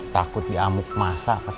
takut diamuk masa pak